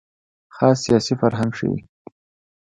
خاص سیاسي فرهنګ ښيي.